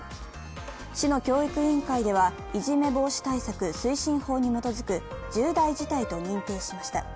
市の教育委員会では、いじめ防止対策推進法に基づく重大事態と認定しました。